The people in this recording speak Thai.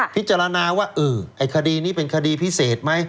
พิจารณาว่าไอ้คดีนี้เป็นคดีพิเศษไหม